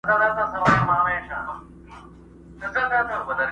o د تيارې غم په رڼاکي خوره٫